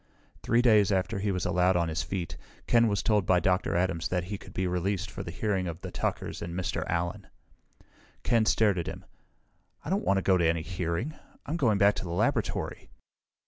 Three days after he was allowed on his feet, Ken was told by Dr. Adams that he could be released for the hearing of the Tuckers and Mr. Allen. Ken stared at him. "I don't want to go to any hearing! I'm going back to the laboratory!"